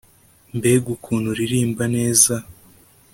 mbega ukuntu uririmba neza